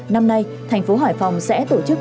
năm nay thành phố hải phòng sẽ tổ chức